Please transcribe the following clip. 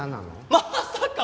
まさか！